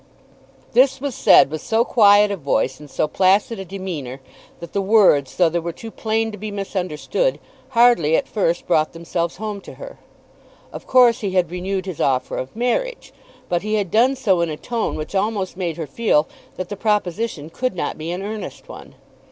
This was said with so quiet a voice and so placid a demeanour, that the words, though they were too plain to be misunderstood, hardly at first brought themselves home to her. Of course he had renewed his offer of marriage, but he had done so in a tone which almost made her feel that the proposition could not be an earnest one.